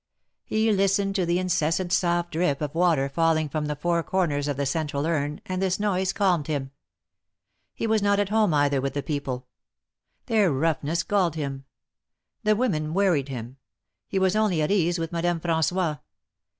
He listened to the incessant soft drip of water falling from the four corners of the central urn, and this noise calmed him. He was not at home either with the people. 154 THE MARKETS OF PARIS. Their roughness galled him. The women worried him ; he was only at ease with Madame Fran9ois.